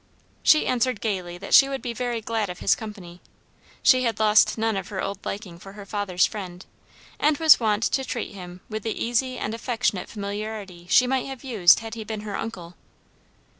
She answered gayly that she would be very glad of his company. She had lost none of her old liking for her father's friend, and was wont to treat him with the easy and affectionate familiarity she might have used had he been her uncle.